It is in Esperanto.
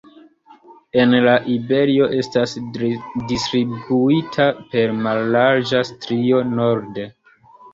En la Iberio estas distribuita per mallarĝa strio norde.